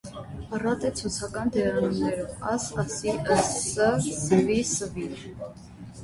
Առատ է ցուցական դերանուններով՝ աս, ասի, ըս, սը, սըվի, սըվիլ։